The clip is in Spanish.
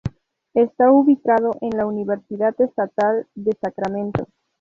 Está ubicado en la Universidad Estatal de Sacramento.